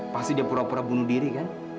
pasti dia pura pura bunuh diri kan